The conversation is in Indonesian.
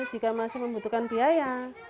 jika masih membutuhkan biaya